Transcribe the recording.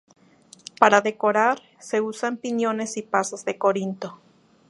Para decorar, se usan piñones y pasas de Corinto.